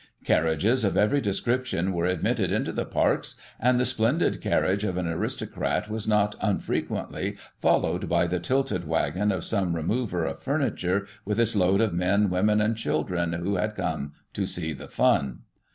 Carriages of every description were admitted into the Parks, and the splendid carriage of an aristocrat was not unfrequently followed by the tilted waggon of some remover of furniture, with its load of men, women and children, who had come to ' see the fun.'